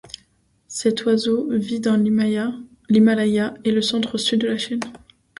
Cet oiseau vit dans l'Himalaya et le centre-sud de la Chine.